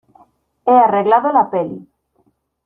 he arreglado la peli.